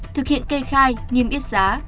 thực hiện kê khai nghiêm yết giá